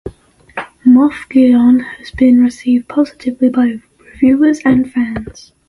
Moff Gideon has been received positively by reviewers and fans.